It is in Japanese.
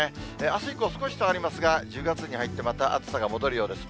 あす以降、少し下がりますが、１０月に入って、また暑さが戻るようです。